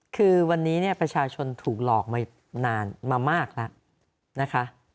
คือวันนี้เนี่ยประชาชนถูกหลอกมานานมามากแล้วนะคะ